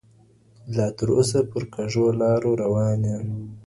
لا تر اوسه پر کږو لارو روان یې